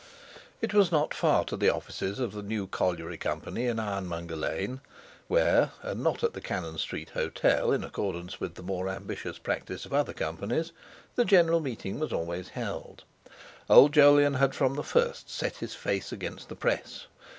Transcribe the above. It was not far to the Offices of the New Colliery Company in Ironmonger Lane, where, and not at the Cannon Street Hotel, in accordance with the more ambitious practice of other companies, the General Meeting was always held. Old Jolyon had from the first set his face against the Press.